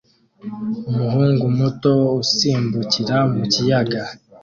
Umuhungu muto usimbukira mu kiyaga